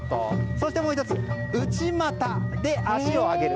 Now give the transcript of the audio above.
そして、もう１つ内股で足を上げる。